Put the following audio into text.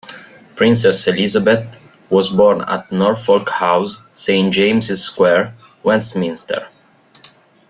Princess Elizabeth was born at Norfolk House, Saint James's Square, Westminster.